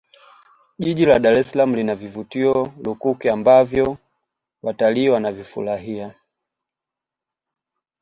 jiji la dar es salaam lina vivutio lukuki ambavyo watalii Wanavifurahia